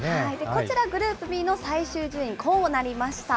こちら、グループＢの最終順位、こうなりました。